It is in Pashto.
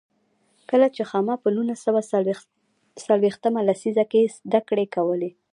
کله چې خاما په نولس سوه څلوېښت مه لسیزه کې زده کړې کولې.